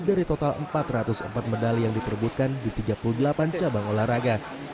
dari total empat ratus empat medali yang diperbutkan di tiga puluh delapan cabang olahraga